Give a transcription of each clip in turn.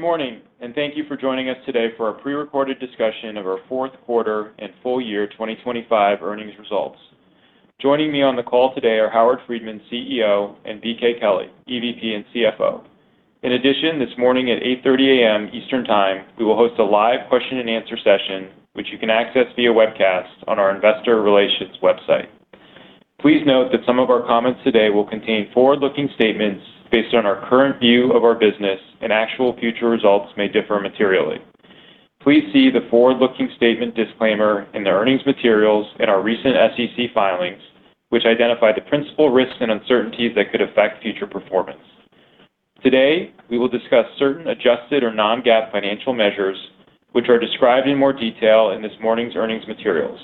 Good morning, and thank you for joining us today for our prerecorded discussion of our fourth quarter and full year 2025 earnings results. Joining me on the call today are Howard Friedman, CEO, and BK Kelley, EVP and CFO. In addition, this morning at 8:30 A.M. Eastern Time, we will host a live question and answer session, which you can access via webcast on our investor relations website. Please note that some of our comments today will contain forward-looking statements based on our current view of our business, and actual future results may differ materially. Please see the forward-looking statement disclaimer in the earnings materials and our recent SEC filings, which identify the principal risks and uncertainties that could affect future performance. Today, we will discuss certain adjusted or non-GAAP financial measures, which are described in more detail in this morning's earnings materials.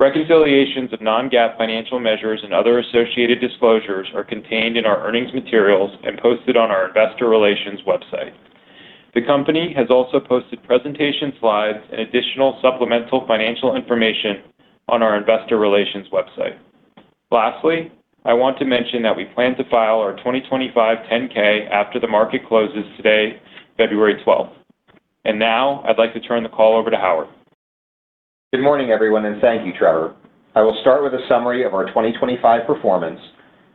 Reconciliations of non-GAAP financial measures and other associated disclosures are contained in our earnings materials and posted on our investor relations website. The company has also posted presentation slides and additional supplemental financial information on our investor relations website. Lastly, I want to mention that we plan to file our 2025 10-K after the market closes today, February 12. Now I'd like to turn the call over to Howard. Good morning, everyone, and thank you, Trevor. I will start with a summary of our 2025 performance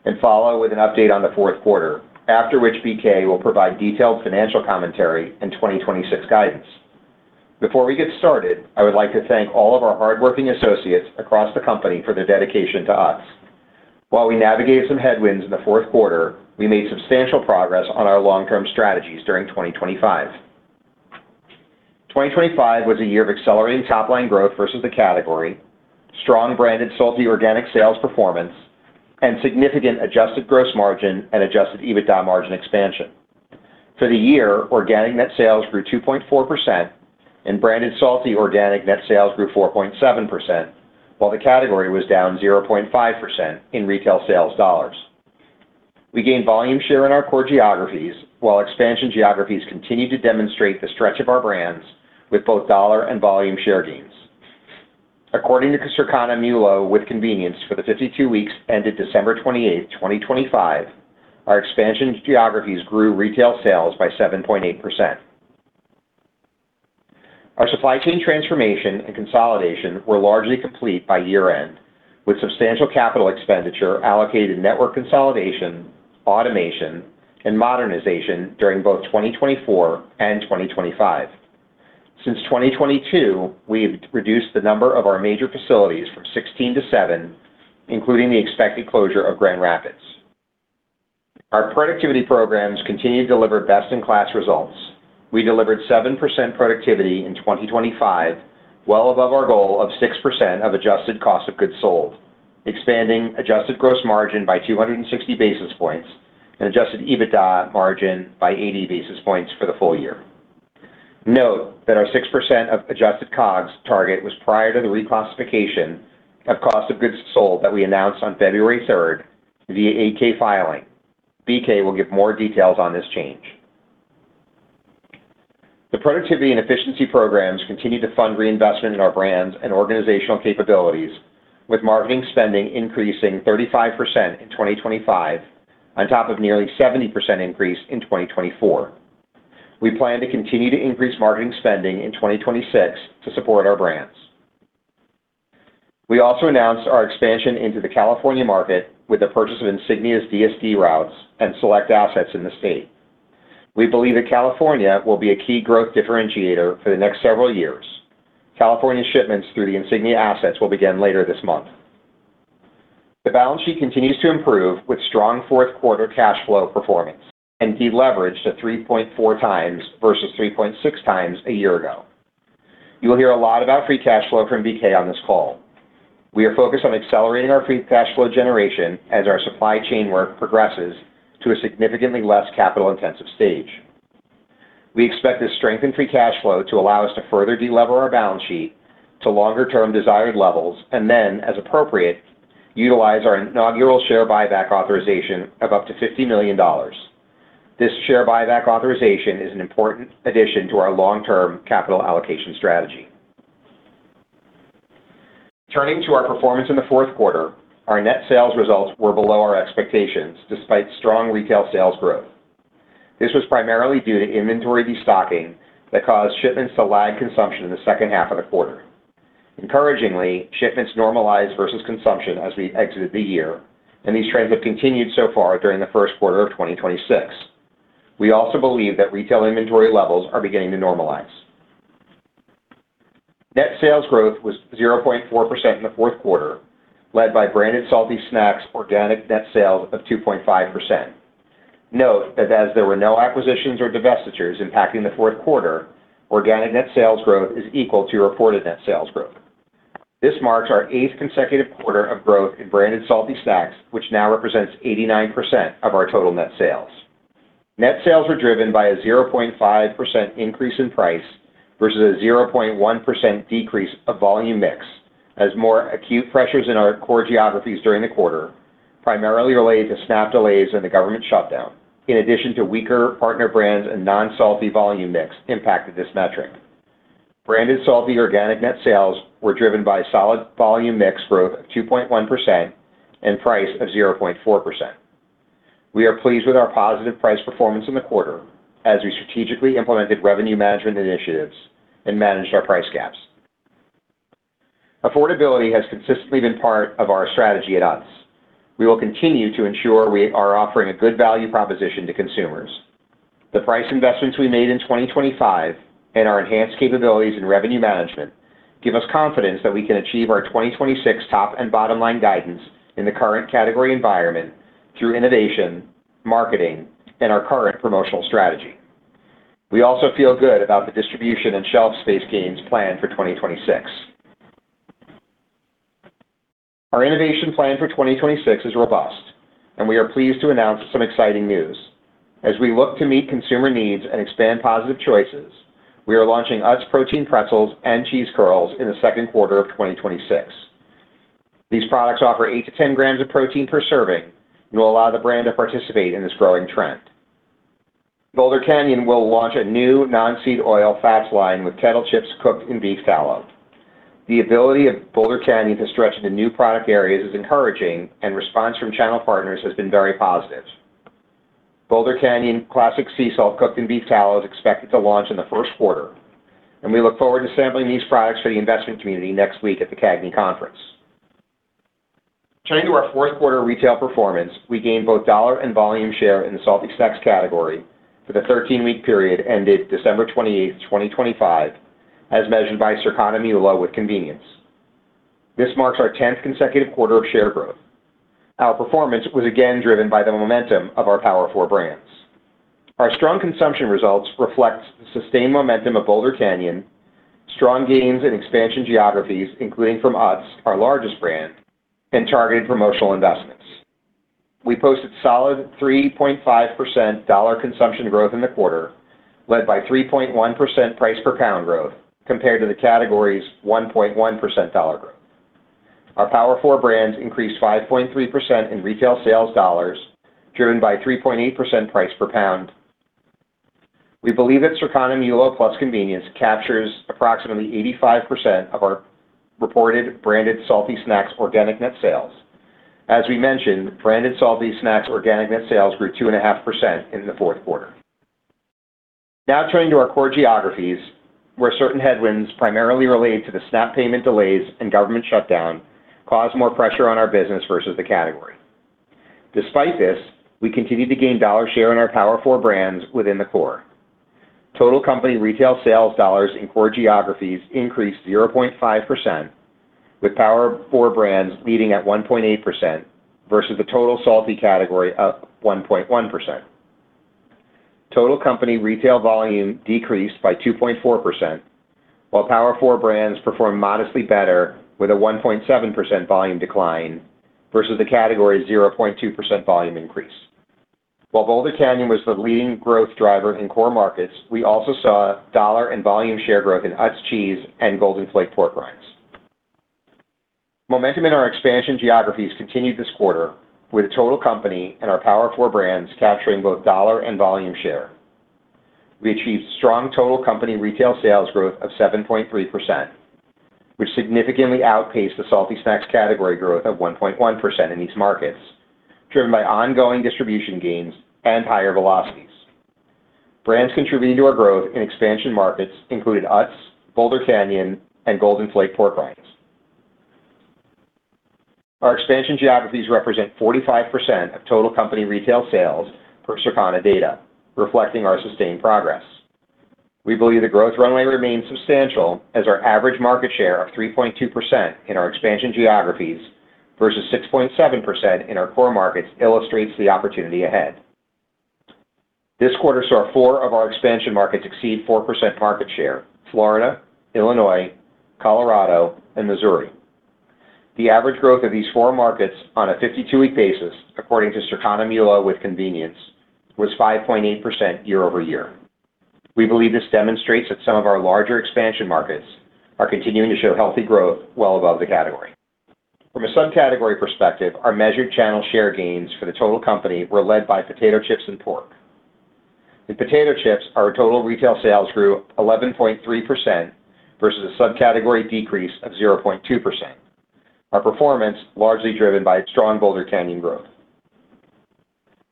and follow with an update on the fourth quarter, after which BK will provide detailed financial commentary and 2026 guidance. Before we get started, I would like to thank all of our hardworking associates across the company for their dedication to us. While we navigated some headwinds in the fourth quarter, we made substantial progress on our long-term strategies during 2025. 2025 was a year of accelerating top-line growth versus the category, strong branded salty organic sales performance, and significant adjusted gross margin and Adjusted EBITDA margin expansion. For the year, organic net sales grew 2.4% and branded salty organic net sales grew 4.7%, while the category was down 0.5% in retail sales dollars. We gained volume share in our core geographies, while expansion geographies continued to demonstrate the stretch of our brands with both dollar and volume share gains. According to Circana MULO, with convenience for the 52 weeks ended December 28, 2025, our expansion geographies grew retail sales by 7.8%. Our supply chain transformation and consolidation were largely complete by year-end, with substantial capital expenditure allocated network consolidation, automation, and modernization during both 2024 and 2025. Since 2022, we've reduced the number of our major facilities from 16 to 7, including the expected closure of Grand Rapids. Our productivity programs continue to deliver best-in-class results. We delivered 7% productivity in 2025, well above our goal of 6% of adjusted cost of goods sold, expanding adjusted gross margin by 260 basis points and adjusted EBITDA margin by 80 basis points for the full year. Note that our 6% of adjusted COGS target was prior to the reclassification of cost of goods sold that we announced on February third via 8-K filing. BK will give more details on this change. The productivity and efficiency programs continue to fund reinvestment in our brands and organizational capabilities, with marketing spending increasing 35% in 2025 on top of nearly 70% increase in 2024. We plan to continue to increase marketing spending in 2026 to support our brands. We also announced our expansion into the California market with the purchase of Insignia's DSD routes and select assets in the state. We believe that California will be a key growth differentiator for the next several years. California shipments through the Insignia assets will begin later this month. The balance sheet continues to improve with strong fourth quarter cash flow performance and deleverage to 3.4x versus 3.6x a year ago. You will hear a lot about free cash flow from BK on this call. We are focused on accelerating our free cash flow generation as our supply chain work progresses to a significantly less capital-intensive stage. We expect this strengthened free cash flow to allow us to further delever our balance sheet to longer-term desired levels, and then, as appropriate, utilize our inaugural share buyback authorization of up to $50 million. This share buyback authorization is an important addition to our long-term capital allocation strategy. Turning to our performance in the fourth quarter, our net sales results were below our expectations, despite strong retail sales growth. This was primarily due to inventory destocking that caused shipments to lag consumption in the second half of the quarter. Encouragingly, shipments normalized versus consumption as we exited the year, and these trends have continued so far during the first quarter of 2026. We also believe that retail inventory levels are beginning to normalize. Net sales growth was 0.4% in the fourth quarter, led by branded salty snacks, organic net sales of 2.5%. Note that as there were no acquisitions or divestitures impacting the fourth quarter, organic net sales growth is equal to reported net sales growth. This marks our 8th consecutive quarter of growth in branded salty snacks, which now represents 89% of our total net sales. Net sales were driven by a 0.5% increase in price versus a 0.1% decrease of volume mix as more acute pressures in our core geographies during the quarter, primarily related to SNAP delays and the government shutdown, in addition to weaker partner brands and non-salty volume mix impacted this metric. Branded salty organic net sales were driven by solid volume mix growth of 2.1% and price of 0.4%. We are pleased with our positive price performance in the quarter, as we strategically implemented revenue management initiatives and managed our price gaps. Affordability has consistently been part of our strategy at Utz. We will continue to ensure we are offering a good value proposition to consumers. The price investments we made in 2025, and our enhanced capabilities in revenue management, give us confidence that we can achieve our 2026 top and bottom-line guidance in the current category environment through innovation, marketing, and our current promotional strategy. We also feel good about the distribution and shelf space gains planned for 2026. Our innovation plan for 2026 is robust, and we are pleased to announce some exciting news. As we look to meet consumer needs and expand positive choices, we are launching Utz Protein Pretzels and Cheese Curls in the second quarter of 2026. These products offer 8-10 grams of protein per serving and will allow the brand to participate in this growing trend. Boulder Canyon will launch a new non-seed oil fats line with kettle chips cooked in beef tallow. The ability of Boulder Canyon to stretch into new product areas is encouraging, and response from channel partners has been very positive. Boulder Canyon Classic Sea Salt, cooked in beef tallow, is expected to launch in the first quarter, and we look forward to sampling these products for the investment community next week at the CAGNY Conference. Turning to our fourth quarter retail performance, we gained both dollar and volume share in the salty snacks category for the 13-week period, ended December 28, 2025, as measured by Circana MULO with convenience. This marks our 10th consecutive quarter of share growth. Our performance was again driven by the momentum of our Power Four brands. Our strong consumption results reflect the sustained momentum of Boulder Canyon, strong gains in expansion geographies, including from Utz, our largest brand, and targeted promotional investments. We posted solid 3.5% dollar consumption growth in the quarter, led by 3.1% price per pound growth compared to the category's 1.1% dollar growth. Our Power Four Brands increased 5.3% in retail sales dollars, driven by 3.8% price per pound. We believe that Circana MULO plus convenience captures approximately 85% of our reported branded salty snacks organic net sales. As we mentioned, branded salty snacks organic net sales grew 2.5% in the fourth quarter. Now turning to our core geographies, where certain headwinds, primarily related to the SNAP payment delays and government shutdown, caused more pressure on our business versus the category. Despite this, we continued to gain dollar share in our Power Four Brands within the core. Total company retail sales dollars in core geographies increased 0.5%, with Power Four Brands leading at 1.8% versus the total salty category, up 1.1%. Total company retail volume decreased by 2.4%, while Power Four Brands performed modestly better with a 1.7% volume decline versus the category's 0.2% volume increase. While Boulder Canyon was the leading growth driver in core markets, we also saw dollar and volume share growth in Utz Cheese and Golden Flake Pork Rinds. Momentum in our expansion geographies continued this quarter, with the total company and our Power Four Brands capturing both dollar and volume share. We achieved strong total company retail sales growth of 7.3%, which significantly outpaced the salty snacks category growth of 1.1% in these markets, driven by ongoing distribution gains and higher velocities. Brands contributing to our growth in expansion markets included Utz, Boulder Canyon, and Golden Flake Pork Rinds. Our expansion geographies represent 45% of total company retail sales per Circana data, reflecting our sustained progress. We believe the growth runway remains substantial, as our average market share of 3.2% in our expansion geographies, versus 6.7% in our core markets, illustrates the opportunity ahead. This quarter saw four of our expansion markets exceed 4% market share: Florida, Illinois, Colorado, and Missouri. The average growth of these four markets on a 52-week basis, according to Circana Mulo with convenience, was 5.8% year over year. We believe this demonstrates that some of our larger expansion markets are continuing to show healthy growth well above the category. From a subcategory perspective, our measured channel share gains for the total company were led by potato chips and pork. In potato chips, our total retail sales grew 11.3% versus a subcategory decrease of 0.2%. Our performance largely driven by strong Boulder Canyon growth.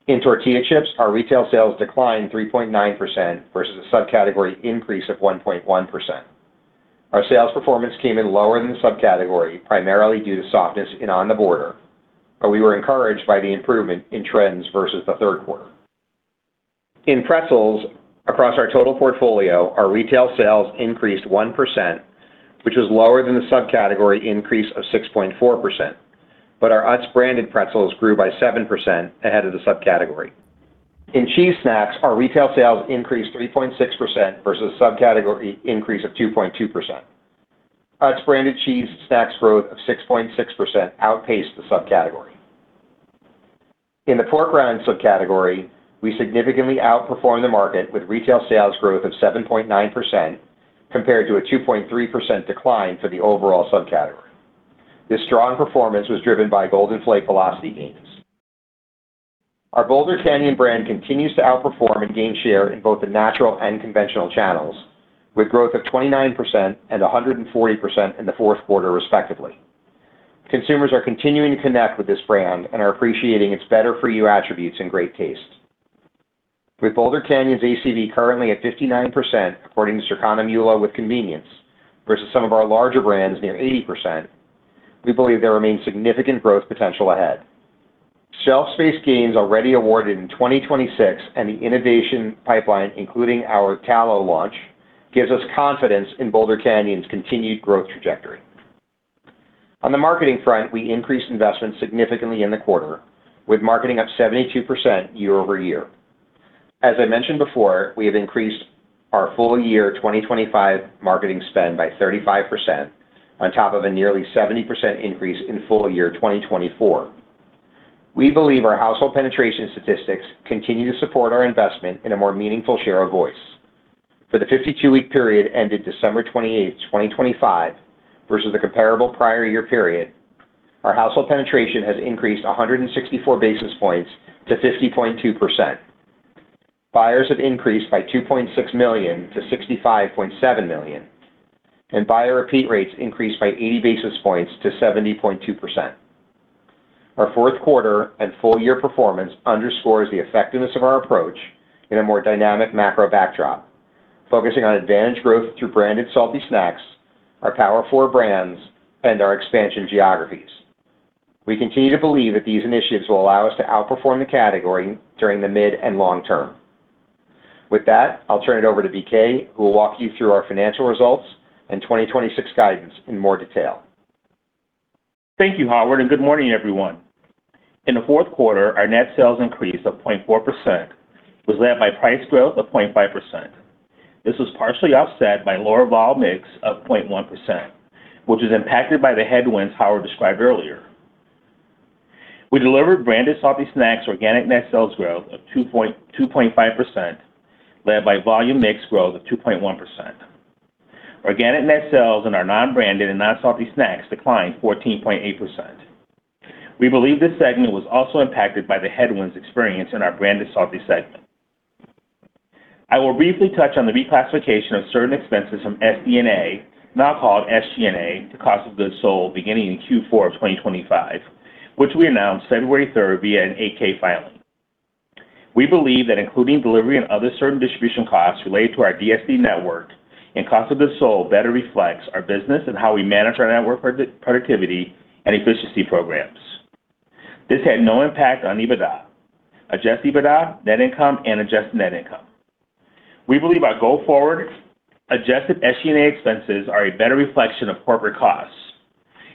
In tortilla chips, our retail sales declined 3.9% versus a subcategory increase of 1.1%. Our sales performance came in lower than the subcategory, primarily due to softness in On the Border, but we were encouraged by the improvement in trends versus the third quarter. In pretzels, across our total portfolio, our retail sales increased 1%, which was lower than the subcategory increase of 6.4%, but our Utz-branded pretzels grew by 7% ahead of the subcategory. In cheese snacks, our retail sales increased 3.6% versus a subcategory increase of 2.2%. Utz-branded cheese snacks growth of 6.6% outpaced the subcategory. In the pork rinds subcategory, we significantly outperformed the market with retail sales growth of 7.9% compared to a 2.3% decline for the overall subcategory. This strong performance was driven by Golden Flake velocity gains. Our Boulder Canyon brand continues to outperform and gain share in both the natural and conventional channels, with growth of 29% and 140% in the fourth quarter, respectively. Consumers are continuing to connect with this brand and are appreciating its better-for-you attributes and great taste. With Boulder Canyon's ACV currently at 59%, according to Circana MULO, with convenience, versus some of our larger brands near 80%, we believe there remains significant growth potential ahead. Shelf space gains already awarded in 2026, and the innovation pipeline, including our Tallow launch, gives us confidence in Boulder Canyon's continued growth trajectory. On the marketing front, we increased investment significantly in the quarter, with marketing up 72% year-over-year. As I mentioned before, we have increased our full year 2025 marketing spend by 35% on top of a nearly 70% increase in full year 2024. We believe our household penetration statistics continue to support our investment in a more meaningful share of voice. For the 52-week period ended December 28, 2025, versus the comparable prior year period, our household penetration has increased 164 basis points to 50.2%. Buyers have increased by 2.6 million to 65.7 million, and buyer repeat rates increased by 80 basis points to 70.2%. Our fourth quarter and full year performance underscores the effectiveness of our approach in a more dynamic macro backdrop, focusing on advantage growth through branded salty snacks, our Power Four Brands, and our expansion geographies. We continue to believe that these initiatives will allow us to outperform the category during the mid and long term. With that, I'll turn it over to BK, who will walk you through our financial results and 2026 guidance in more detail. Thank you, Howard, and good morning, everyone. In the fourth quarter, our net sales increase of 0.4% was led by price growth of 0.5%. This was partially offset by lower volume mix of 0.1%, which is impacted by the headwinds Howard described earlier. We delivered branded salty snacks organic net sales growth of 2.5%, led by volume mix growth of 2.1%. Organic net sales in our non-branded and non-salty snacks declined 14.8%. We believe this segment was also impacted by the headwinds experienced in our branded salty segment. I will briefly touch on the reclassification of certain expenses from SG&A to the cost of goods sold beginning in Q4 of 2025, which we announced February 3 via an 8-K filing. We believe that including delivery and other certain distribution costs related to our DSD network and cost of goods sold better reflects our business and how we manage our network product productivity and efficiency programs. This had no impact on EBITDA, Adjusted EBITDA, net income, and Adjusted Net Income. We believe our go-forward Adjusted SG&A expenses are a better reflection of corporate costs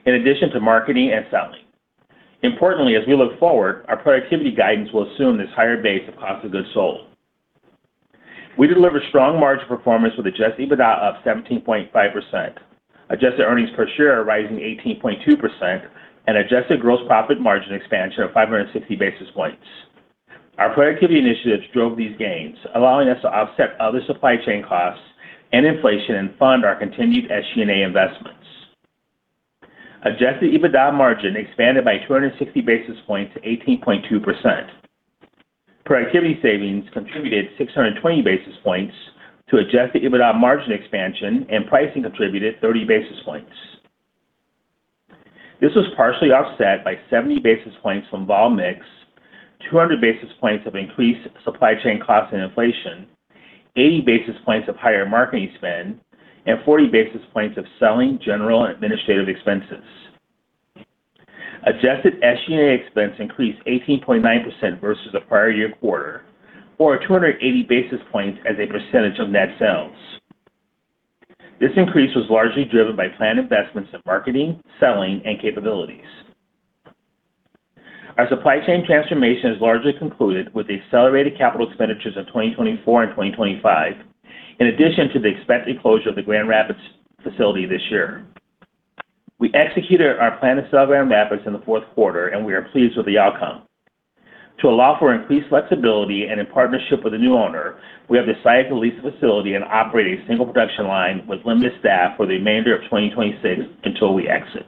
in addition to marketing and selling. Importantly, as we look forward, our productivity guidance will assume this higher base of cost of goods sold. We delivered strong margin performance with Adjusted EBITDA of 17.5%, Adjusted Earnings Per Share rising 18.2%, and Adjusted Gross Profit Margin expansion of 560 basis points. Our productivity initiatives drove these gains, allowing us to offset other supply chain costs and inflation, and fund our continued SG&A investments. Adjusted EBITDA margin expanded by 260 basis points to 18.2%. Productivity savings contributed 620 basis points to adjust the EBITDA margin expansion, and pricing contributed 30 basis points. This was partially offset by 70 basis points from volume mix, 200 basis points of increased supply chain costs and inflation, 80 basis points of higher marketing spend, and 40 basis points of selling, general, and administrative expenses. Adjusted SG&A expense increased 18.9% versus the prior year quarter, or 280 basis points as a percentage of net sales. This increase was largely driven by planned investments in marketing, selling, and capabilities. Our supply chain transformation is largely concluded with the accelerated capital expenditures of 2024 and 2025, in addition to the expected closure of the Grand Rapids facility this year. We executed our plan to sell Grand Rapids in the fourth quarter, and we are pleased with the outcome. To allow for increased flexibility and in partnership with the new owner, we have decided to lease the facility and operate a single production line with limited staff for the remainder of 2026 until we exit.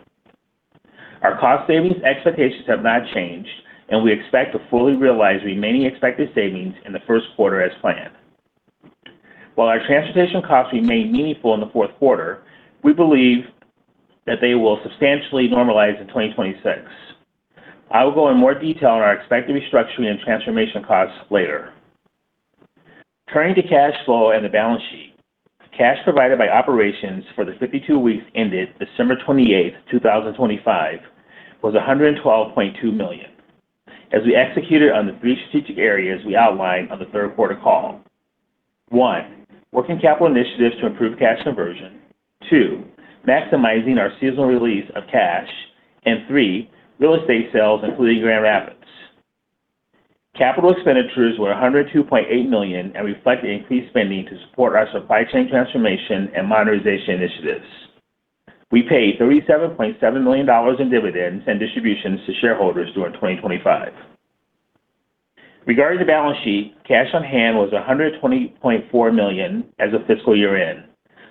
Our cost savings expectations have not changed, and we expect to fully realize the remaining expected savings in the first quarter as planned. While our transportation costs remain meaningful in the fourth quarter, we believe that they will substantially normalize in 2026. I will go in more detail on our expected restructuring and transformation costs later. Turning to cash flow and the balance sheet. Cash provided by operations for the 52 weeks ended December 28, 2025, was $112.2 million. As we executed on the three strategic areas we outlined on the third quarter call. One, working capital initiatives to improve cash conversion. Two, maximizing our seasonal release of cash. And three, real estate sales, including Grand Rapids. Capital expenditures were $102.8 million and reflect the increased spending to support our supply chain transformation and modernization initiatives. We paid $37.7 million in dividends and distributions to shareholders during 2025. Regarding the balance sheet, cash on hand was $120.4 million as of fiscal year-end.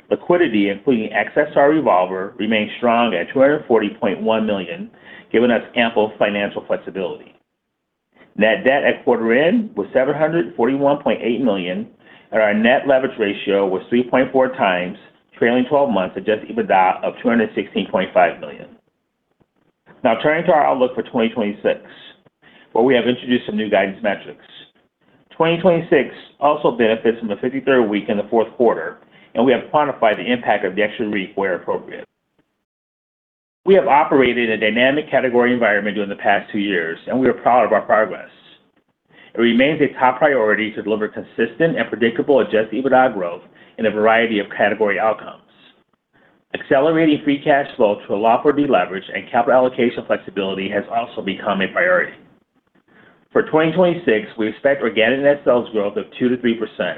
Liquidity, including excess our revolver, remains strong at $240.1 million, given us ample financial flexibility. Net debt at quarter end was $741.8 million, and our net leverage ratio was 3.4x trailing 12 months Adjusted EBITDA of $216.5 million. Now turning to our outlook for 2026, where we have introduced some new guidance metrics. 2026 also benefits from the 53rd week in the fourth quarter, and we have quantified the impact of the extra week where appropriate. We have operated in a dynamic category environment during the past two years, and we are proud of our progress. It remains a top priority to deliver consistent and predictable Adjusted EBITDA growth in a variety of category outcomes. Accelerating free cash flow to allow for deleverage and capital allocation flexibility has also become a priority. For 2026, we expect organic net sales growth of 2%-3%,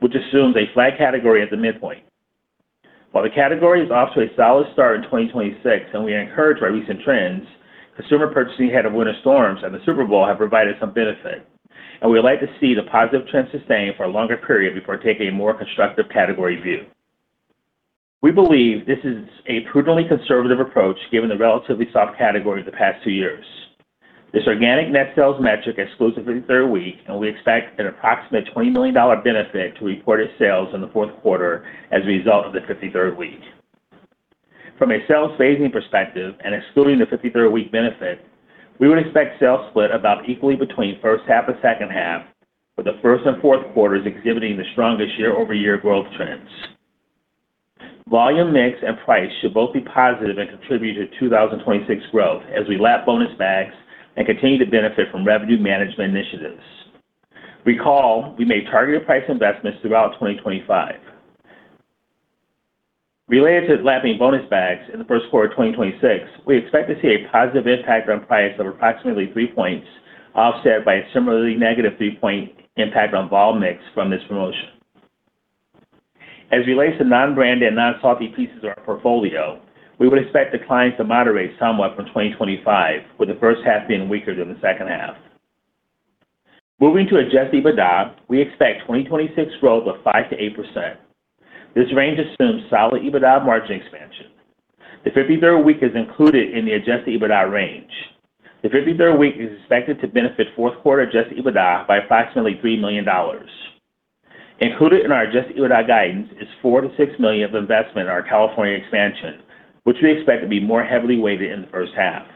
which assumes a flat category at the midpoint. While the category is off to a solid start in 2026 and we are encouraged by recent trends, consumer purchasing ahead of winter storms and the Super Bowl have provided some benefit, and we would like to see the positive trends sustain for a longer period before taking a more constructive category view. We believe this is a prudently conservative approach, given the relatively soft category of the past two years. This organic net sales metric excludes the 53rd week, and we expect an approximate $20 million benefit to reported sales in the fourth quarter as a result of the 53rd week. From a sales phasing perspective and excluding the 53rd week benefit, we would expect sales split about equally between first half and second half, with the first and fourth quarters exhibiting the strongest year-over-year growth trends. Volume, mix, and price should both be positive and contribute to 2026 growth as we lap bonus bags and continue to benefit from revenue management initiatives. Recall, we made targeted price investments throughout 2025. Related to lapping bonus bags in the first quarter of 2026, we expect to see a positive impact on price of approximately 3 points, offset by a similarly negative 3-point impact on volume mix from this promotion. As it relates to non-brand and non-salty pieces of our portfolio, we would expect declines to moderate somewhat from 2025, with the first half being weaker than the second half. Moving to Adjusted EBITDA, we expect 2026 growth of 5%-8%. This range assumes solid EBITDA margin expansion. The 53rd week is included in the Adjusted EBITDA range. The 53rd week is expected to benefit fourth quarter Adjusted EBITDA by approximately $3 million. Included in our Adjusted EBITDA guidance is $4 million-$6 million of investment in our California expansion, which we expect to be more heavily weighted in the first half.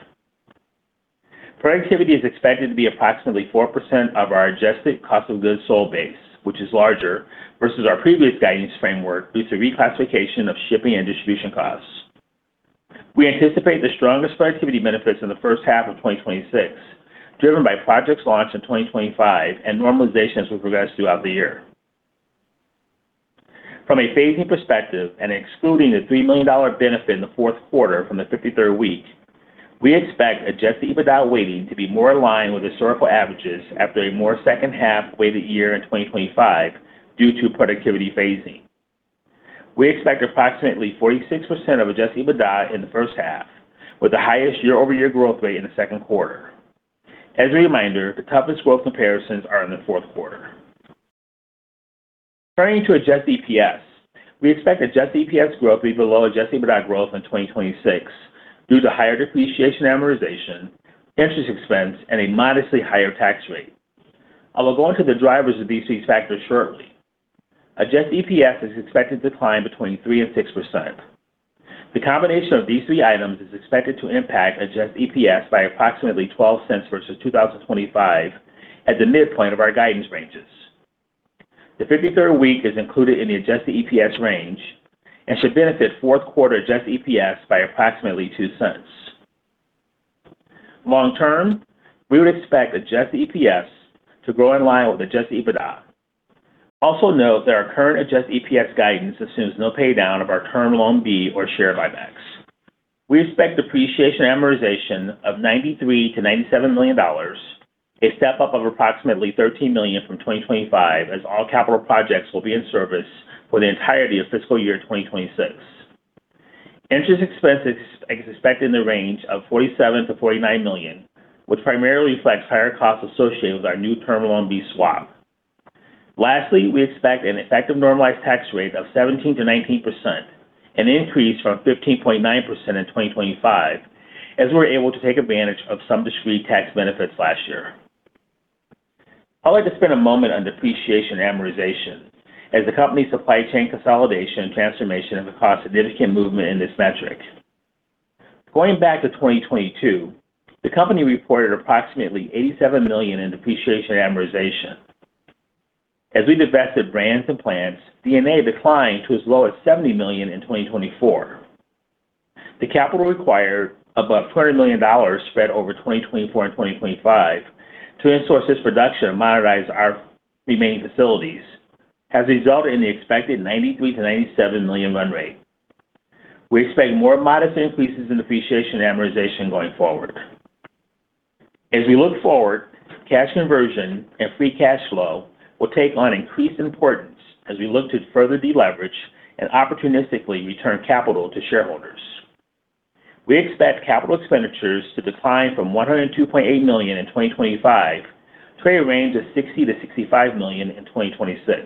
Productivity is expected to be approximately 4% of our adjusted cost of goods sold base, which is larger versus our previous guidance framework due to reclassification of shipping and distribution costs. We anticipate the strongest productivity benefits in the first half of 2026, driven by projects launched in 2025 and normalization as we progress throughout the year. From a phasing perspective and excluding the $3 million benefit in the fourth quarter from the 53rd week, we expect adjusted EBITDA weighting to be more aligned with historical averages after a more second-half weighted year in 2025 due to productivity phasing. We expect approximately 46% of adjusted EBITDA in the first half, with the highest year-over-year growth rate in the second quarter. As a reminder, the toughest growth comparisons are in the fourth quarter. Turning to adjusted EPS, we expect adjusted EPS growth to be below adjusted EBITDA growth in 2026 due to higher depreciation amortization, interest expense, and a modestly higher tax rate. I will go into the drivers of these three factors shortly. Adjusted EPS is expected to decline between 3% and 6%. The combination of these three items is expected to impact adjusted EPS by approximately $0.12 versus 2025 at the midpoint of our guidance ranges. The 53rd week is included in the adjusted EPS range and should benefit fourth quarter adjusted EPS by approximately $0.02. Long term, we would expect adjusted EPS to grow in line with adjusted EBITDA. Also note that our current adjusted EPS guidance assumes no paydown of our Term Loan B or share buybacks. We expect depreciation and amortization of $93 million-$97 million, a step up of approximately $13 million from 2025, as all capital projects will be in service for the entirety of fiscal year 2026. Interest expense is expected in the range of $47 million-$49 million, which primarily reflects higher costs associated with our new Term Loan B swap. Lastly, we expect an effective normalized tax rate of 17%-19%, an increase from 15.9% in 2025, as we were able to take advantage of some discrete tax benefits last year. I'd like to spend a moment on depreciation and amortization as the company's supply chain consolidation and transformation have caused significant movement in this metric. Going back to 2022, the company reported approximately $87 million in depreciation and amortization. As we divested brands and plants, D&A declined to as low as $70 million in 2024. The capital required above $20 million spread over 2024 and 2025 to in-source this production and modernize our remaining facilities, has resulted in the expected $93 million-$97 million run rate. We expect more modest increases in depreciation and amortization going forward. As we look forward, cash conversion and free cash flow will take on increased importance as we look to further deleverage and opportunistically return capital to shareholders. We expect capital expenditures to decline from $102.8 million in 2025 to a range of $60-$65 million in 2026.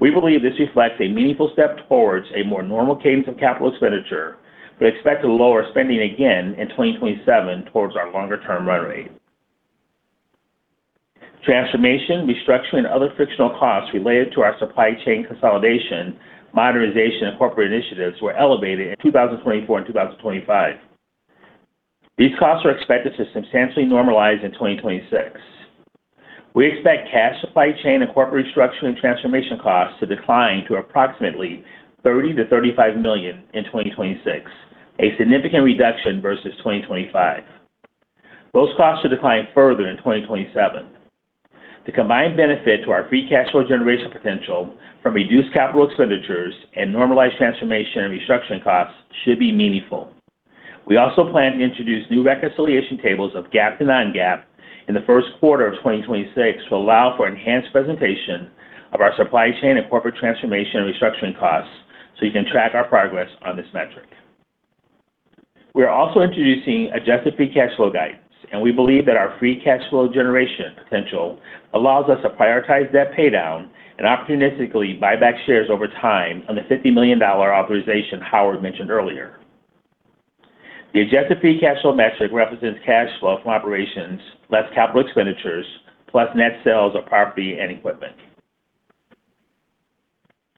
We believe this reflects a meaningful step towards a more normal cadence of capital expenditure. We expect to lower spending again in 2027 towards our longer-term run rate. Transformation, restructuring, and other frictional costs related to our supply chain consolidation, modernization, and corporate initiatives were elevated in 2024 and 2025. These costs are expected to substantially normalize in 2026. We expect cash supply chain and corporate restructuring transformation costs to decline to approximately $30-$35 million in 2026, a significant reduction versus 2025. Those costs should decline further in 2027. The combined benefit to our free cash flow generation potential from reduced capital expenditures and normalized transformation and restructuring costs should be meaningful. We also plan to introduce new reconciliation tables of GAAP to non-GAAP in the first quarter of 2026 to allow for enhanced presentation of our supply chain and corporate transformation and restructuring costs, so you can track our progress on this metric. We are also introducing adjusted free cash flow guidance, and we believe that our free cash flow generation potential allows us to prioritize debt paydown and opportunistically buy back shares over time on the $50 million authorization Howard mentioned earlier. The adjusted free cash flow metric represents cash flow from operations, less capital expenditures, plus net sales of property and equipment.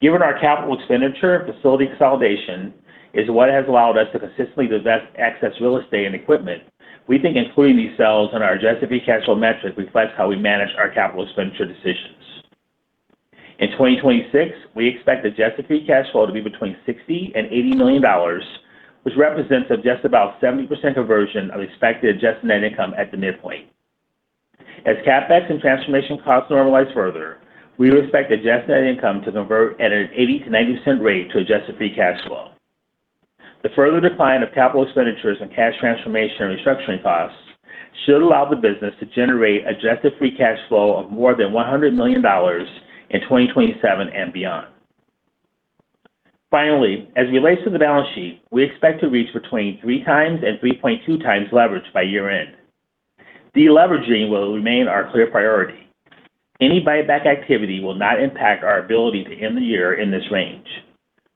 Given our capital expenditure, facility consolidation is what has allowed us to consistently divest excess real estate and equipment. We think including these sales on our adjusted free cash flow metric reflects how we manage our capital expenditure decisions. In 2026, we expect adjusted free cash flow to be between $60 million and $80 million, which represents just about 70% conversion of expected adjusted net income at the midpoint. As CapEx and transformation costs normalize further, we expect adjusted net income to convert at an 80%-90% rate to adjusted free cash flow. The further decline of capital expenditures and cash transformation and restructuring costs should allow the business to generate adjusted free cash flow of more than $100 million in 2027 and beyond. Finally, as it relates to the balance sheet, we expect to reach between 3x and 3.2x leverage by year-end. Deleveraging will remain our clear priority. Any buyback activity will not impact our ability to end the year in this range.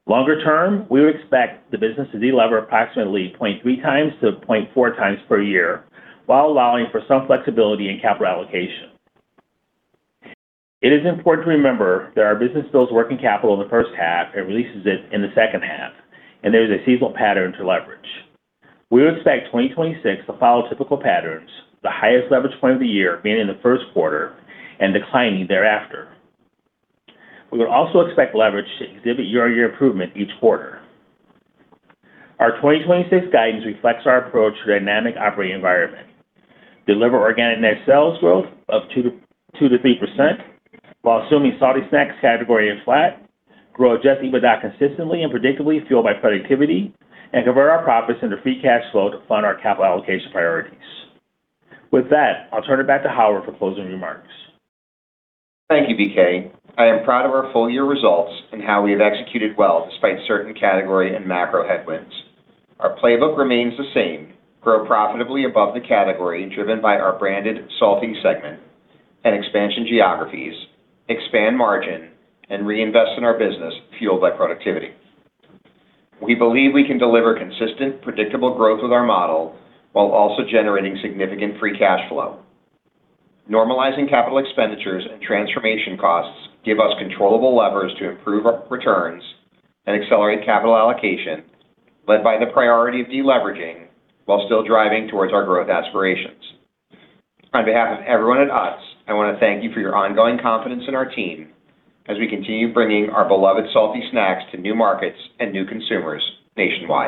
Longer term, we would expect the business to delever approximately 0.3x-0.4x per year, while allowing for some flexibility in capital allocation. It is important to remember that our business builds working capital in the first half and releases it in the second half, and there is a seasonal pattern to leverage. We expect 2026 to follow typical patterns, the highest leverage point of the year being in the first quarter and declining thereafter. We would also expect leverage to exhibit year-on-year improvement each quarter. Our 2026 guidance reflects our approach to dynamic operating environment, deliver organic net sales growth of 2%-3%, while assuming salty snacks category and flat, grow Adjusted EBITDA consistently and predictably, fueled by productivity, and convert our profits into free cash flow to fund our capital allocation priorities. With that, I'll turn it back to Howard for closing remarks. Thank you, BK. I am proud of our full year results and how we have executed well despite certain category and macro headwinds. Our playbook remains the same, grow profitably above the category, driven by our branded salty segment and expansion geographies, expand margin, and reinvest in our business, fueled by productivity. We believe we can deliver consistent, predictable growth with our model, while also generating significant free cash flow. Normalizing capital expenditures and transformation costs give us controllable levers to improve our returns and accelerate capital allocation, led by the priority of deleveraging, while still driving towards our growth aspirations. On behalf of everyone at Utz, I want to thank you for your ongoing confidence in our team as we continue bringing our beloved salty snacks to new markets and new consumers nationwide.